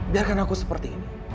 biarkan aku seperti ini